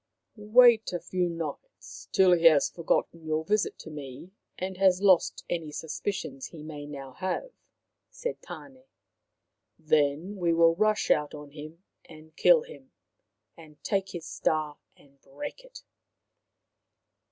" Wait a few nights, till he has forgotten your visit to me and has lost any suspicions he may now have," said Tane. " Then we will rush out on him and kill him and take his star and break it."